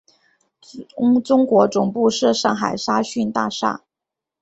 中国总部设上海沙逊大厦。